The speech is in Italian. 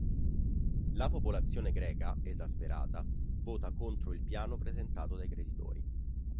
La popolazione greca, esasperata, vota contro il piano presentato dai creditori.